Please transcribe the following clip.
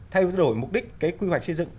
thay đổi mục đích cái quy hoạch xây dựng